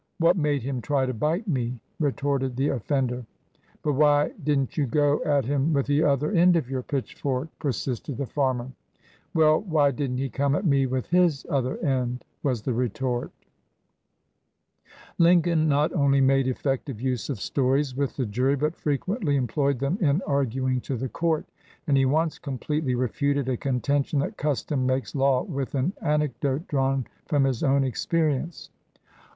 'What made him try to bite me?' retorted the offender. " 'But why did n't you go at him with the other end of your pitchfork?' persisted the farmer. 217 LINCOLN THE LAWYER "'Well, why did n't he come at me with his other end?' was the retort." Lincoln not only made effective use of stories with the jury, but frequently employed them in arguing to the court, and he once completely refuted a contention that custom makes law with an anecdote drawn from his own experience.